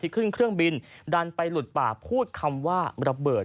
ขึ้นเครื่องบินดันไปหลุดป่าพูดคำว่าระเบิด